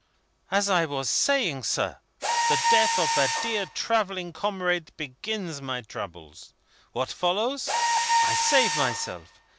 "As I was saying, sir, the death of that dear travelling comrade begins my troubles. What follows? I save myself.